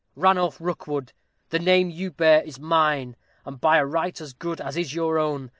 Ranulph Rookwood, the name you bear is mine, and by a right as good as is your own.